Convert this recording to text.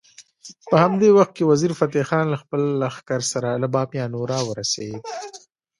په همدې وخت کې وزیر فتح خان له خپل لښکر سره له بامیانو راورسېد.